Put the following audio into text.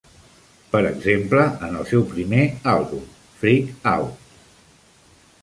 Per exemple, en el seu primer àlbum, "Freak Out!"